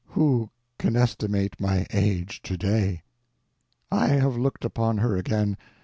Who can estimate my age today? I have looked upon her again.